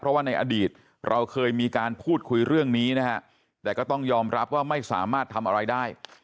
เพราะว่าในอดีตเราเคยมีการพูดคุยเรื่องนี้นะฮะแต่ก็ต้องยอมรับว่าไม่สามารถทำอะไรได้